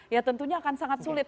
ya tentunya akan sangat sulit